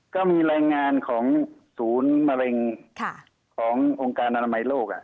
ก็มีรายงานของศูนย์มะเร็งขององค์การอนามัยโลก